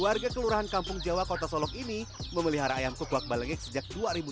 warga kelurahan kampung jawa kota solok ini memelihara ayam kukuak balege sejak dua ribu dua belas